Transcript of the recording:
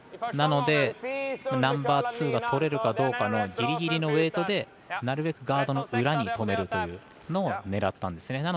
なので、ナンバーツーがとれるかどうかギリギリのウエイトでなるべくガードの裏に止めるというのを狙ったんですね。